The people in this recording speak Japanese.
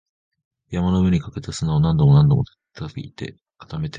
山の上にかけた砂を何度も何度も叩いて、固めて